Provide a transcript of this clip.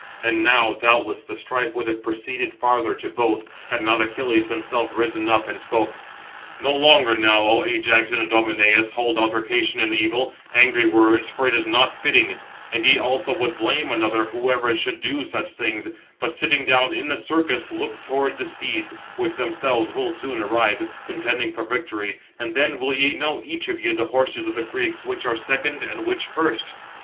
And now doubtless the strife would have proceeded farther to both, had not Achilles himself risen up, and spoke: "No longer now, O Ajax and Idomeneus, hold altercation in evil, angry words, for it is not fitting, and ye also would blame another, whoever should do such things; but, sitting down in the circus, look towards the steeds, which themselves will soon arrive, contending for victory; and then will ye know, each of you, the horses of the Greeks, which are second, and which first."